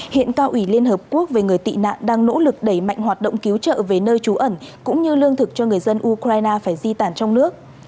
hiện cao ủy liên hợp quốc về người tị nạn đang nỗ lực đẩy mạnh hoạt động cứu trợ về nơi trú ẩn cũng như lương thực cho người dân ukraine phải di tản trong nước